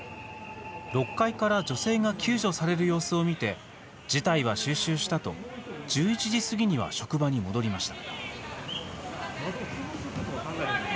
６階から女性が救助される様子を見て、事態は収拾したと１１時過ぎには職場に戻りました。